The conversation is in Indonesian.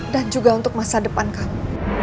dan juga untuk masa depan kamu